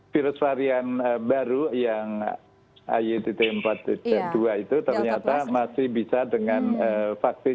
virus varian baru yang aydt empat puluh dua itu ternyata masih bisa dengan vaksin